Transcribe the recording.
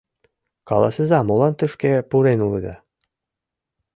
— Каласыза, молан тышке пурен улыда?